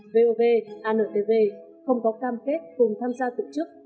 vov antv không có cam kết cùng tham gia tổ chức